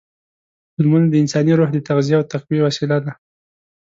لمونځ د انساني روح د تغذیې او تقویې وسیله ده.